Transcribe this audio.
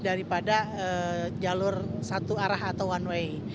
daripada jalur satu arah atau one way